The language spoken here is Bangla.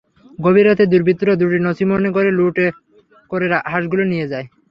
গভীর রাতে দুর্বৃত্তরা দুটি নছিমনে করে লুট করা হাঁসগুলো নিয়ে যায়।